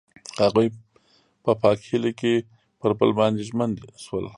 هغوی په پاک هیلې کې پر بل باندې ژمن شول.